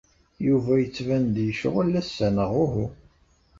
Yuba yettban-d yecɣel ass-a neɣ uhu?